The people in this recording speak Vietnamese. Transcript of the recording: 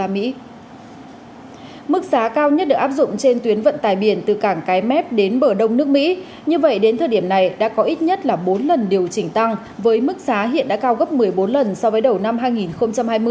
mức giá cao nhất được áp dụng trên tuyến vận tài biển từ cảng cái mép đến bờ đông nước mỹ như vậy đến thời điểm này đã có ít nhất là bốn lần điều chỉnh tăng với mức giá hiện đã cao gấp một mươi bốn lần so với đầu năm hai nghìn hai mươi